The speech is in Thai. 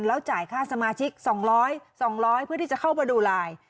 แล้วจ่ายค่าสมาชิก๒๐๐๒๐๐เพื่อที่จะเข้ามาดูไลน์